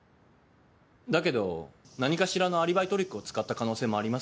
だけど何かしらのアリバイトリックを使った可能性もありますよね。